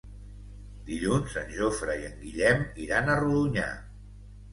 Dilluns en Jofre i en Guillem iran a Rodonyà.